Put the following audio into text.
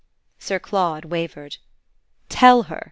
Sir Claude wavered. "Tell her!"